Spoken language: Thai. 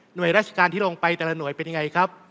โดยราชการที่ลงไปแต่ละหน่วยเป็นยังไงครับ